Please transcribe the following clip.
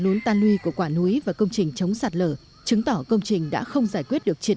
lún tan luy của quả núi và công trình chống sạt lở chứng tỏ công trình đã không giải quyết được triệt